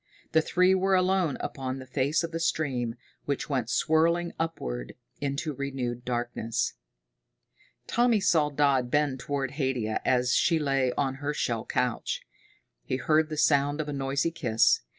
The three were alone upon the face of the stream, which went swirling upward into renewed darkness. Tommy saw Dodd bend toward Haidia as she lay on her shell couch. He heard the sound of a noisy kiss.